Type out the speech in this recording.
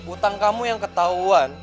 utang kamu yang ketahuan